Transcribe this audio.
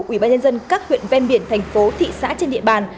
ủy ban nhân dân các huyện ven biển thành phố thị xã trên địa bàn